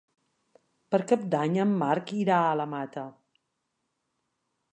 Per Cap d'Any en Marc irà a la Mata.